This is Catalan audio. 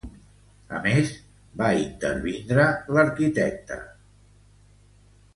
A més, va intervindre l'arquitecte madrileny Luis Moya.